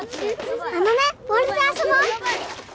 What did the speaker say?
あのねボールで遊ぼう！